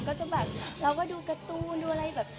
ก็จะแบบเราก็ดูการ์ตูนดูอะไรแบบ